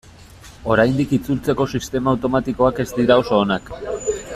Oraindik itzultzeko sistema automatikoak ez dira oso onak.